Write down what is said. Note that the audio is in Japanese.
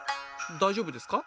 大丈夫ですか？